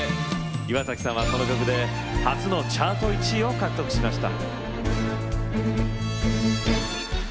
岩崎さんは、この曲で初のチャート１位を獲得しました。